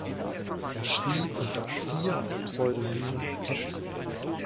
Er schrieb unter vier Pseudonymen Texte.